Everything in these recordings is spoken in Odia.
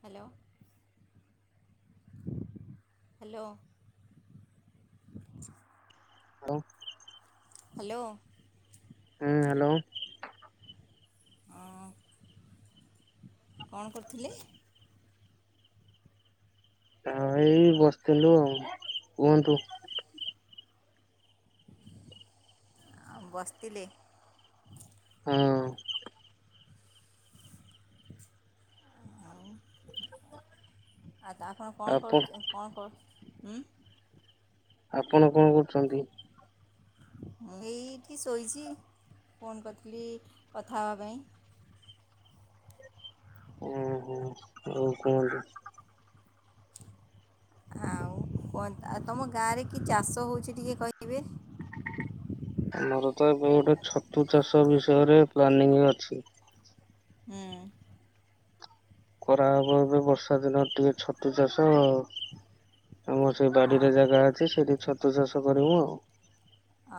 ହ୍ୟାଲୋ। ହାଲୋ। ହାଲୋ। ହ୍ୟାଲୋ। ହୁଁ ହାଲୋ। ଅ କଣ କରିଥିଲି? କାଇଁ ଏଇ ବସିଥିଲୁ ଆଉ କୁହନ୍ତୁ। ଆ ବସିଥିଲେ। ହଁ। ଆଉ ତା ଆପଣ କଣ କରୁଚ କଣ କରୁ ଉଁ ଆପଣ କଣ କରୁଚନ୍ତି? ମୁଁ ଏଇଠି ଶୋଇଚି ଫୋନ୍ କରିଥିଲି କଥା ହେବା ପାଇଁ ଓ ହୋ ଆ କ ଆଉ କଉ ତମ ଗାଁରେ କି ଚାଷ ହଉଛି ଟିକେ କହିବେ। ଆମର ତ ଏବେ ଗୋଟେ ଛତୁ ଚାଷ ବିଷୟରେ ପ୍ଲାନିଂ ଅଛି। ହୁଁ। କରାହବ ଏବେ ବର୍ଷା ଦିନ ଟିକେ ଛତୁ ଚାଷ ଆଉ। ଆମର ସେଇ ବାଡିରେ ଓହୋ ଜାଗା ଅଛି ସେଠି ରତ ଚାଷ କରିବୁ ଆଉ। ଆ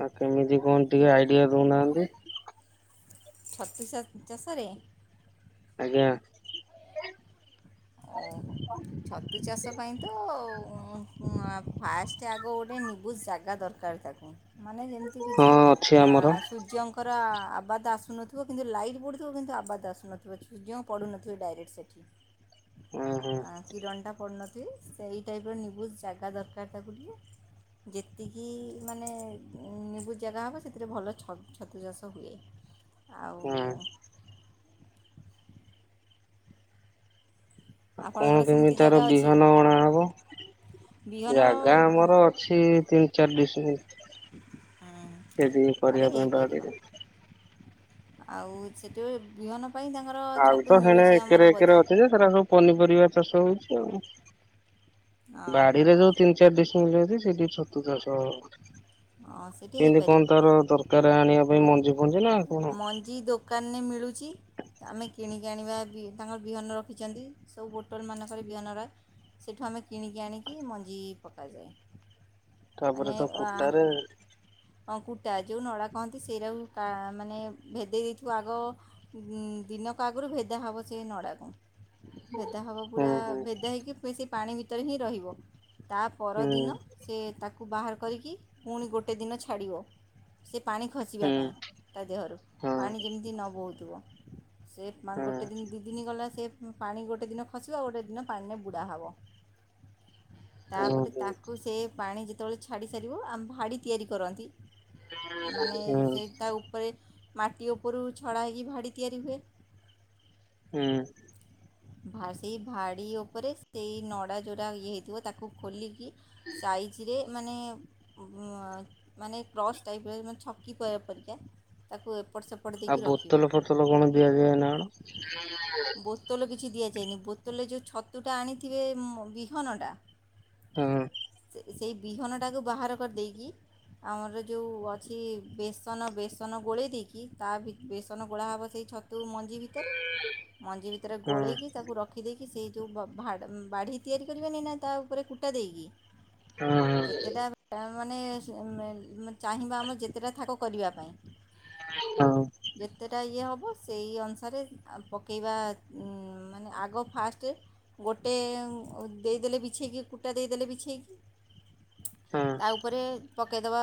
ଆଉ କେମିତି କଣ ଟିକେ ଆଇଡିଆ ଦଉନାହାନ୍ତି। ଛତି ଚାଷରେ ଆଜ୍ଞା। ଓ ଛତୁ ଚାଷ ତା ପାଇଁ ତ ଫାଷ୍ଟ ଆଗ ଗୋଟେ ନିବୁଜ ଜାଗା ଦରକାର ତାକୁ ମାନେ ଯେମିତି ହଁ କିଛି ଅଛି ଆମର। ସୂର୍ଯ୍ୟଙ୍କର ପୁରା ଆବାଦ ଆସୁନଥିବ କିନ୍ତୁ ଲାଇଟ୍ ପଢୁଥିବ କିନ୍ତୁ ଆବାଦ ଆସୁନଥିବ ସ ଯେ ପଢ଼ୁନଥିବେ ଡାଇରେକ୍ଟ ସେଇଠି ଓହୋ କିରଣଟା ପନ ଏଇ ଟାଇପ୍ର ନୁଜ୍ ଜାଗା ଦରକାର ତାକୁ ଟିକେ ଯେତିକି ମାନେ ିବୁଜ୍ ଜାଗା ହେବ ସେଥିରେ ଭଲ ଛତୁ ଚାଷ ହୁଏ। ଆଉ ହଁ। ଆଉ କଣ ଆପଣଙ୍କର କେମିତି ସେମିତି ତାର ଜାଗା ଅଛି ବିହନ ଅଣାହବ ଜାଗା ବିହନ ଆମର ଅଛି ତିନି ଚାରି ଡିଶମିଟ ହୁଁ ସେଦ ତାହେଲେ କରିବା ପାଇଁ ହେଇପାରିବ। ବାଡିରେ ଆଉ ସେଠ ବିହନ ପାଇଁ ତାଙ୍କର ଆଉ ଛତୁ ତ ହେଣେ ମିଳୁଛି ଆମର ଏକେରେ ଏକେରେ ବଜାର। ଅଛି ଯେ ସେଟା ସବୁ ପନିରିବା। ଚାଷ ହଉଛି ଆଉ। ଓହୋ ବାଡିରେ ଯୋଉ ତିନି ଚାରି ଦିଶ ମିଳଛି। ସେଠି ଛତୁ ଚା ହଁ ସେଇଠି କେମତି କଣ ହେଇପାରିବ। ତାର ଦରକାର ଆଣିବା ପାଇଁ ମ ମଞ୍ଜି ଦୋକାନରେ ମିଳୁଛି। ଆମେ କିଣିକି ଆଣିବା ତାଙ୍କର ବିହନ ରଖିଛନ୍ତି ସବୁ ବୋଟଲ ମାନଙ୍କରେ ବିହନର ସେଇଠୁ ଆମେ କିଣିକି ଆଣିକି ମଞ୍ଜି ପକାଯାଏ। ତାପରେ ମାନେ ତ କୁଟାରେ ଅଙ୍କୁଟା ଯେଉଁନ ଅଡ଼ା କନ୍ତି ସେଇଟଉ ମାନେ ଭେଦେଇ ଦେଇଥିବ ଆଗ ଦିନକ ଆଗରୁ ଭେଦା ହେବ ସେ ନଡ଼ାକୁ ଭେଦା ହବ ହୁଁ ପୁରା ହୁଁ ଭେଦା ହେଇକି ବେଶୀ ପାଣି ଭିତରେ ହିଁ ରହିବ। ତା ହୁଁ ପରଦିନ ସେ ତାକୁ କୁ ବାହାର କରିକି ପୁଣି ଗୋଟେ ଦିନ ଛାଡ଼ିବ। ପାଣି ଖସିବା ହୁଁ ପାଇଁ ତା ଦେହରୁ ହଁ। ପାଣି ଯେମିତି ନ ବହୁତ ଯୁଆ ସେ ହଁ ଗୋଟେ ଦିନ ଦୁଇ ଦିନ ଗଲା ସେ ପାଣି ଗୋଟେ ଦିନ ଖସିବ ଗୋଟେ ଦିନ ପାଣିରେ ବୁଡ଼ା ହେବ ହୁଁ ତାପରେ ହୁଁ ତାକୁ ସେ ପାଣି ଯେ ଯେତେବେଳେ ଛାଡ଼ି ସାରିବୁ ଆମ ଭାଡ଼ି ତିଆରି କରନ୍ତି। ହଁ। ରେ ମାଟି ଉପରୁ ଛଡ଼ା ହେଇକି ଭାଡ଼ି ତିଆରି ହୁଏ। ହୁଁ। ସେଇ ଭାଡ଼ି ଉପରେ ସେଇ ନଡ଼ା ଯୋଟା ଇଏ ହେଇଥିବ ତାକୁ ଖୋଲିକି ସାଇଜରେ ମାନେ ମାନେ କ୍ରସ୍ ଟାଇପ୍ରେ କଲା ପରିକା ତାକୁ ସେପଟ ଆଉ ଦେଇକି ରଖିବ ବୋତଲ ଫୋତଲ କଣ ଦିଆଯଏ ନା କଣ ବୋତଲ କିଛି ଦିଆଯାଇନି ବୋତଲରେ ଯେଉଁ ଛତୁଟା ଆଣିଥିବେ ବିହନଟା ହଁ ସେ ସେଇ ବିହନଟାକୁ ବାହାର କରିଦେଇକି ଆମର ଯେଉଁ ଅଛି ବେସନ ବେସନ ଗୋଳେଇ ଦେଇକି ତା ବେସନ ଗୋଳା ହେବ ସେଇ ଛତ ତୁ ମଞ୍ଜି ଭିତରେ ମଞ୍ଜି ଭିତରେ ହଁ ଗୋଳେଇକି ତାକୁ ରଖିଦେଇକି କି ସେଇ ଯେଉଁ ଭ ଭା ଭାଡା ବାଢ଼ି ତିଆରି କରିବେନି ନା ତା ଉପରେ କୁଟା ଦେଇକି ହଁ ଯେତେଟା ମାନେ ଚାହିଁବା ଆମେ ଯେତେଟା ଥାକ କରିବା ପାଇଁ ହଁ ଯେତେଟା ଇଏ ହ ସେଇ ଅନୁସାରେ ପକେଇବା ମାନେ ଆଗ ଫାଷ୍ଟ ଗୋଟେ ଦେଇଦେଲେ ବିଛେଇକି କୁଟା ଦେଇଦେଲେ ବିଛେଇକି ହଁ ତା ଉପରେ ପକାଇଦବା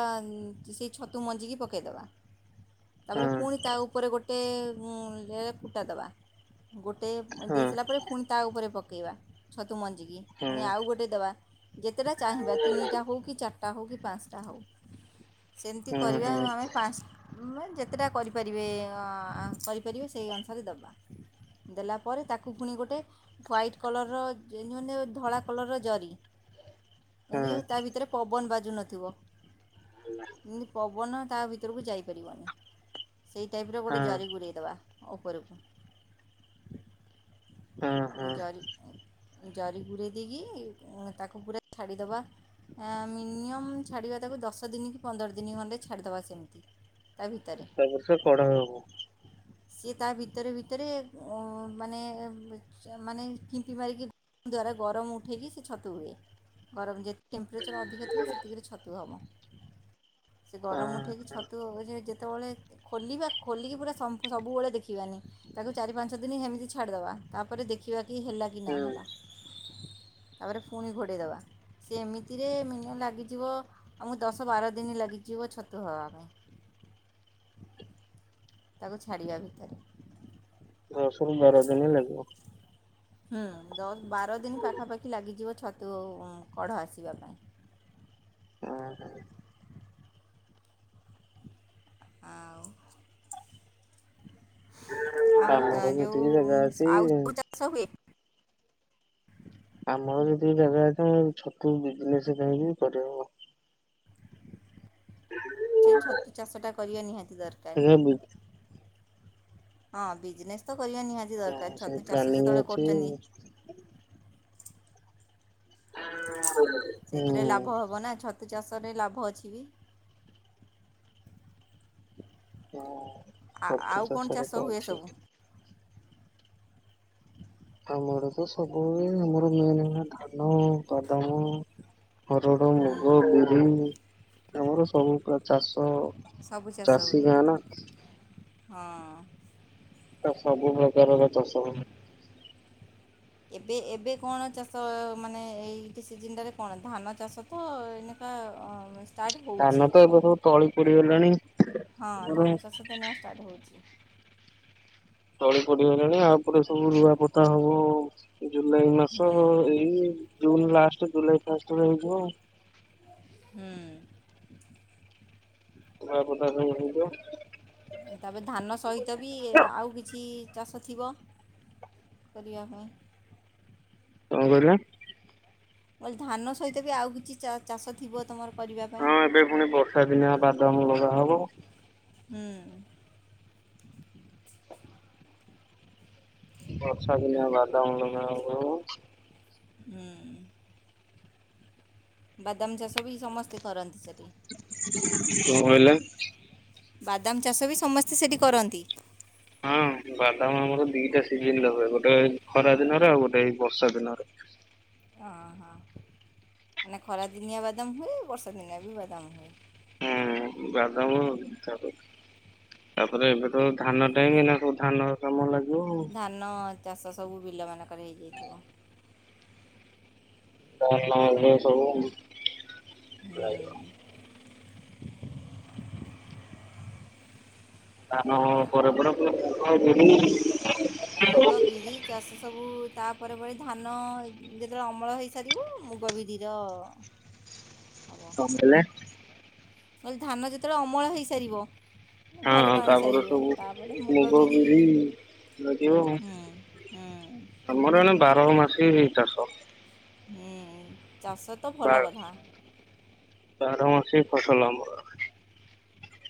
ସେଇ ଛତୁ ମଞ୍ଜିିକି ପକାଇଦବା ହଁ ତାପରେ ପୁଣି ତା ଉପରେ ଗୋଟେ ମୂଳରେ କୁଟାଦବା। ଗୋଟେ ଦେଇ ହଁ ସାରିଲା ପରେ ପୁଣି ତା ଉପରେ ପକା ପକେଇ ବା ଛ ତୁ ମଞ୍ଜିକି ହଁ ପୁଣି ଆଉ ଗୋଟେ ଦବା ଯେତେଟା ଚାହିଁବା ତିନିଟା ହଉ କି ଚାରିଟା ଟା ହେଉ କି ପାଞ୍ଚଟା ହେଉ। ସେମିତି ହଁ କରିବା ହଁ। ଆମେ ପାଞ୍ଚ ତୁମେ ଯେତେଟା କରିପାରିବେ ଆ କରିପାରିବେ ସେଇ ଅନୁସାରେ ଦେବା। ଦେଲା ପରେ ତାକୁ ପୁଣି ଗୋଟେ ହ୍ୱାଇଟ କଲରର ଯେ ମେ ଧଳା କଲର୍ର ଜରି ହଁ ଯେମିତ ତା ଭିତରେ ପବନ ବାଜି ଜୁ ନଥିବ। ଏମିତି ପବନ। ତା ଭିତରକୁ ଯାଇପାରିବନି। ସେଇ ଟାଇପର ହଁ ଗୋଟେ ଜରି ଗୁଡ଼େଇଦବା। ଉପରକୁ ହଁ ହଁ ଜରି। ଜରି ଗୁଡ଼ାଇ ଦେଇକି ତାକୁ ପୁରା ଛାଡ଼ିଦେବା ମିନିମମ୍ ଛାଡ଼ିବା ତାକୁ ଦଶ ଦିନ କି ପନ୍ଦର ଦିନ ଖଣ୍ଡେ ଛାଡ଼ିଦେବା ସେମିତି। ତା ଭିତରେ ତାପର୍ଷ କଡା ହବ। ସିଏ ତା ଭିତରେ ଭିତରେ ମାନେ ମାନେ କିମ୍ପି ମାରିକି ଦ୍ଵାରା ଗରମ ଉଠେଇକି ସେ ଛତୁ ହୁଏ ଗରମ ଯେତେ ଟେମ୍ପ୍ରେରେଚର ଅଧିକ ଥିବ ସେତିକିରେ ଛତୁ ହେବ। ସେ ହଁ ଗରମ ଉଠେଇକି ଛତୁ ହବ ଯେ ଯେ ସେତେବେଳେ ଖୋଲିବା ଖୋଲିକି ପୁରା ସମ୍ପୁ ସବୁବେଳେ ଦେଖିବାନି ତାକୁ ଚାରି ପାଞ୍ଚ ଦିନ ହେମିତି ଛାଡିଦବା ତାପରେ ଦେଖିବା କି ହେଲା କି ନା ହେଲା। ତାପରେ ପୁଣି ଘୋଡ଼େଇ ଦେବା ସିଏ ଏମିତିରେ ମିନିୟମ ଲାଗିଯିବ ଆମକୁ ଦଶ ବାର ଦିନ ଲାଗିଯିବ ଛତୁ ହେବା ପାଇଁ। ତାକୁ ଛାଡ଼ିବା ଭିତରେ। ଦଶରୁ ବାର ଦିନ ଲାଗିବ। ହୁଁ ଦ ବାର ଦିନ ପାଖାପାଖି ଲାଗିଯିବ ଛ ଛତୁ କଢ଼ ଆସିବା ପାଇଁ। ଉଁ ହୁଁ। ଆଉ। ଆଉ ଆମର ତ ଯୋଉ ଯେତିକି ଜାଗା ସ ଅଛି ଆଉ କୋଉ ଚାଷ ହୁଏ? [unintelligible] ଆମର ଯେତିକି ଜାଗା ଅଛି ଛତୁ ବିଜନେସ ଚାହିଁବୁ ବି କରିହେବ। ସେ ଛତୁ ଚାଷଟା କରିବା ନିହାତି ଆଜ୍ଞା ବି ଦରକାର। ହଁ ବିଜିନେସ ତ କରିବା ନିହାତି ଦରକାର ସେ ଛତୁ ଚାଷ ପ୍ଲାନିଂ ଯେତେବେଳେ ଅଛି କରୁଛନ୍ତି। [unintelligible] ହୁଁ। ତୁ ଚାଷରେ ଲାଭ ଅଛି ବି। ହଁ। ଆ ଆଉ କଣ ଚାଷ ହୁଏ ସବୁ? ଆମର ଆଡେ ସବୁ ଆମର ହୁଏ ଆମର ମେନ ହେଲା ଧାନ, ବାଦାମ ହରଡ଼, ମୁଗ, ବିରି। ଆମର ସବୁ ପୁରା ଚାଷ ସବୁ ଚାଷ ଚାଷୀ ହୁଏ ଗାଁ ନା ହଁ। ପୁରା ସବୁ ପ୍ରକାରର ଚାଷ ହୁଏ। ଏବେ ଏବେ କଣ ଚାଷ ମାନେ ଏଇ ସିଜିନଟାରେ କଣ ଧାନ ଚାଷ ତ ଏଇନେକା ଅ ଷ୍ଟାର୍ଟ ହେଉଛି ଧାନ ତ ଏବେ ସବୁ ତଳି ପଡ଼ି ଗଲାଣି ହଁ ଧାନ ଆମର ଚାଷ ତ ଏଇନା ଷ୍ଟାର୍ଟ ହେଉଛି ତଳି ପଡ଼ି ଗଲାଣି ଆ ପରେ ସବୁ ରୁଆ ପୋତା ହବ ଆଉ। ଜୁଲାଇ ମାସ ହୁଁ ଏଇ ଜୁନ ଲାଷ୍ଟ ଜୁଲାଇ ପାଞ୍ଚରେ ତଳେ ହେଇଯିବ ଆଉ ହୁଁ। ଧୁଆ ପୋତା ସବୁ ହେଇଯିବ। ତାପରେ ଧାନ ସହିତ ବି ଆଉ କିଛି ଚାଷ ଥିବ କରିବା ପାଇଁ? କଣ କହିଲେ? ମୁଁ କହିଲି ଧାନ ସହିତ ବି ଆଉ କିଛି ଚାଷ ଥିବ ତମର ହଁ ଏବେ ପୁଣି ବର୍ଷା ଦିନଆ ବାଦାମ ଲଗା ହବ। ହୁଁ। ବର୍ଷା ଦିନଆ ବା ଦାମ ଲଗା ହବ। ହୁଁ। ବାଦାମ ଚାଷ ବି ସମସ୍ତେ କରନ୍ତି ସେ କଣ କହିଲେ? ବାଦାମ ଚାଷ ବି ସମସ୍ତେ ସେଇଠି କରନ୍ତି? ହଁ ବାଦାମ ଆମର ଦିଟା ସିଜନ ରହ ଗୋଟେ ଏ ଖରା ଦିନରେ ଆଉ ଗୋଟେ ଏଇ ବର୍ଷା ଦିନରେ। ଓ ହ ମାନେ ଖରା ଦିନଆ ବାଦାମ ହୁଏ ବର୍ଷା ଦିନଆ ବି ବାଦାମ ହୁଏ। ବାଦାମ ତା ତାପରେ ଏବେ ତ ଧାନ ଟାଇ ସବୁ ଧାନ କାମ ଲାଗି ଧାନ ଚାଷ ସ ବୁ ବିଲମାନଙ୍କର ହେଇଯାଇଥିବ। [unintelligible] ହୁଁ। [inaudible] ଧାନ ପରେ ପରେ ଫୁଣି ମୁଗ ବିରି ମୁଗ ବିରି ଚାଷ ସବୁ ତାପରେ ପରେ ପରେ ଧାନ ଯେତେବେଳେ ଅମଳ ହେଇସାରିବ ମୁଗ ବିରି ର କଣ କହିଲେ? କହିଲେ ଧାନ ଯେତେବେଳେ ଅମଳ ହେଇସାରିବ ହଁ ଘରକୁ ଆଣି ତାପରେ ସାରିବେ ସବୁ ତାପରେ ମୁଗ ବିରି ଲାଗିବ ହୁଁ ହୁଁ। ମାନେ ବାର ମାସି ଏଇ ଚାଷ ହୁଁ। ଚାଷ ତ ବା ଭଲ କଥା ବାର ମାସ ଫସଲ ଆମର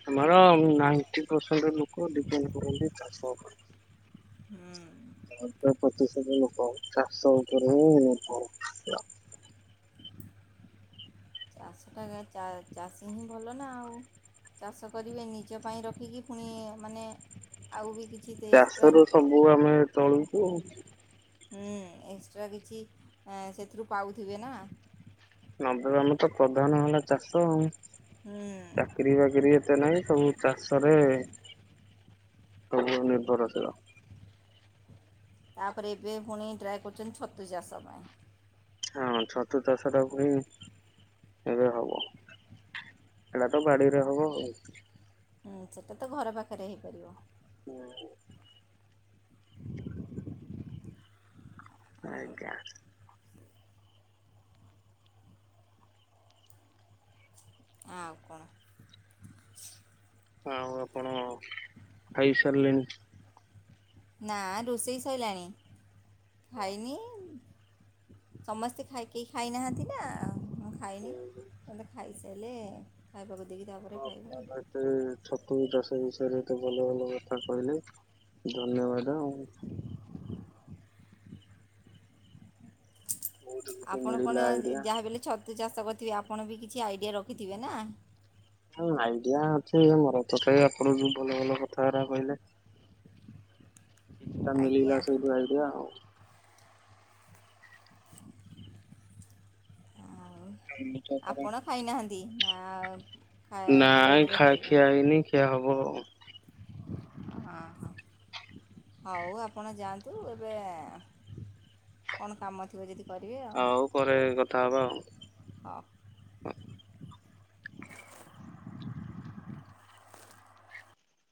ଆମର ନାଇଣ୍ଟି ପରସେଣ୍ଟ ଲୋକ ଡିପେଣ୍ଡ କରନ୍ତି ଚାଷ ଉପରେ ହୁଁ ହ ତ ପ୍ରତିଶତ ଲୋକ ଚାଶରେ ହିଁ ଚାଷଟା ଚାଷୀ ହିଁ ଭଲ ନା ଆଉ ଚାଷ କରିବେ ନିଜ ପାଇଁ ରଖିକି ପୁଣି ମାନେ ଆଉ ବି କିଛି ଚାଷ ଏକ୍ସଟ୍ରା ର ସବୁ ଆମେ ଚଳୁ ହଁ। ହୁଁ ଏକ୍ସଟ୍ରା କିଛି ସେଥିରୁ ପାଉଥିବେ ନା। ନବେ ଆମ ତ ପ୍ରଧାନ ହେଲା ଚାଷ ଆ ଚାକିରୀ ବାକିରି ଏତେ ନାହିଁ ସବୁ ଚାଷରେ ସବୁ ନିର୍ଭରଶୀଳ ତାପରେ ଏବେ ପୁଣି ଟ୍ରାଏ କରୁଛନ୍ତି ଛତୁ ଯା ସମୟ ହଁ ଛତୁଦଶଟା ପୁଣି ଏବେ ହବ ହେଟ ତ ବାଡ଼ିରେ ହବ ଆଉ। ହୁଁ ସେଟା ତ ଘର ପାଖରେ ହେଇପାରିବ। ହୁଁ। ଆଜ୍ଞା। ଆଉ କଣ ଆଉ ଆପଣ ଖାଇ ସାରିଲେଣି? ନା ରୋଷେଇ ସୋଇଲାାଣି। ଭାଇନି ସମସ୍ତେ ଖାଇ କେହି ଖାଇନାହାନ୍ତି ନା ମୁଁ ଖାଇନି ମେ ଖାଇସାରିଲେ ଖାଇବାକୁ ଦେଇକି ତା'ପରେ ଖାଇବା ହଣ ଛତୁ ଦ ସେ ବିଷୟରେ ତେ ଭଲ ଭଲ କଥା କହିଲେ ଧନ୍ୟବାଦ ଆଉ। ବହୁତ କିଛି ଆପଣ ମିଳିଲା କଣ ଆଇଡିଆ। ଯାହା ବଲେ ଛତୁ ଚାଷ କର ଥିବେ ଆପଣ ବି କିଛି ଆଇଡ଼ିଆ ରଖିଥିବେ ନା। ଁ ଆଇଡିଆ ଅଛି ମୋର ତ ଆପଣ ଯଉ ଭଲ ଭଲ କଥା ହେ କହିଲେ। କିଛିଟା ଆଜ୍ଞା ମିଳିଲା ସେଇଠୁ ଆଇଡିଆ ଆଉ। ଆଉ ଆପଣ ଖାଇନାହାନ୍ତି। ନା ନାଇଁ ଲେଟ୍ରେ ଖା ଖାଇବେ ଖିଆ ହେଇନି ଖିଆ ହବ। ହଁ ହ ହଉ ଆପଣ ଯାଆନ୍ତୁ ଏବେ କଣ କାମ ଥିବ ଯଦି କରିବେ ଆଉ ହଉ ପରେ କଥା ହେବା ହଉ ଆଉ [unintelligible]